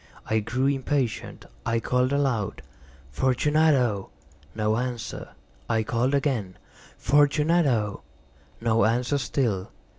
I grew impatient. I called aloud— "Fortunato!" No answer. I called again— "Fortunato!" No answer still.